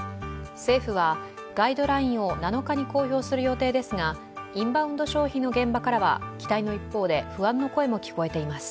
政府はガイドラインを７日に公表する予定ですが、インバウンド消費の現場からは期待の一方で不安の声も聞こえています。